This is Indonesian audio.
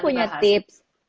aku punya tips